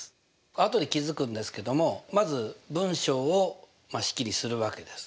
あとで気付くんですけどもまず文章を式にするわけです。